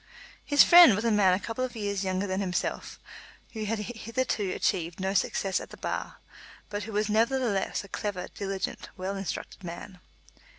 His friend was a man a couple of years younger than himself, who had hitherto achieved no success at the Bar, but who was nevertheless a clever, diligent, well instructed man.